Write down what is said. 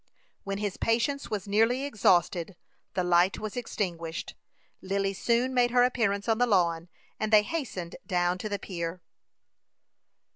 When his patience was nearly exhausted, the light was extinguished. Lily soon made her appearance on the lawn, and they hastened down to the pier.